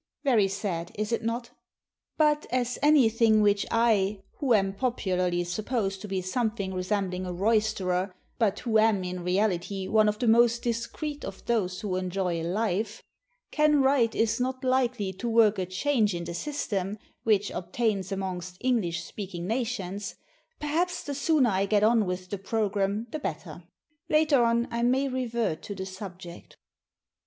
Very sad is it not? But, as anything which I who am popularly supposed to be something resembling a roysterer, but who am in reality one of the most discreet of those who enjoy life can write is not likely to work a change in the system which obtains amongst English speaking nations, perhaps the sooner I get on with the programme the better. Later on I may revert to the subject.